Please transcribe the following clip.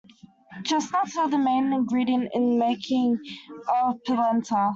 Chestnuts are the main ingredient in the making of "pulenta".